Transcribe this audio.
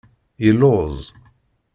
Yelluẓ.